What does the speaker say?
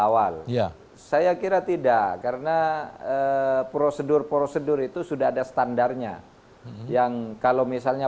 awal ya saya kira tidak karena prosedur prosedur itu sudah ada standarnya yang kalau misalnya